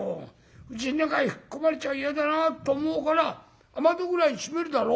うちん中へ吹き込まれちゃ嫌だなと思うから雨戸ぐらい閉めるだろ？